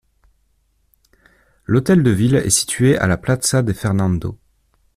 L'hôtel de ville est situé à la Plaza de Fernando.